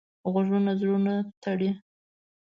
غږونه زړونه تړي